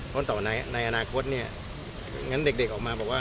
เพราะในอนาคตเนี่ยงั้นเด็กออกมาบอกว่า